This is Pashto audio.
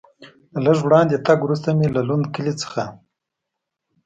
له لږ وړاندې تګ وروسته مې له لوند کلي څخه.